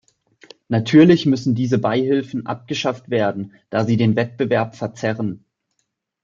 Natürlich müssen diese Beihilfen abgeschafft werden, da sie den Wettbewerb verzerren.